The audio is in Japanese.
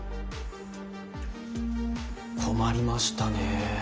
困りましたねえ。